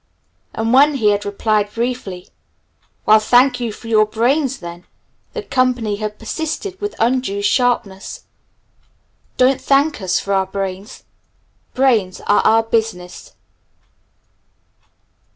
And when he had replied briefly, "Well, thank you for your brains, then!" the "company" had persisted with undue sharpness, "Don't thank us for our brains. Brains are our business."